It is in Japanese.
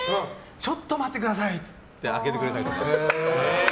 ちょっと待ってくださいって開けてくれたりとか。